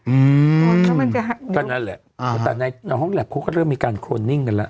อืมก็นั่นแหละอ่าฮะแต่ในห้องแลพพวกเขาก็เริ่มมีการโครนิ่งกันล่ะ